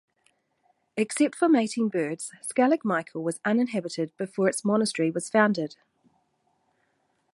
Except for mating birds, Skellig Michael was uninhabited before its monastery was founded.